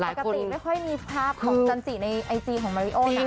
ปกติไม่ค่อยมีภาพของจันจิในไอจีของมาริโอนะ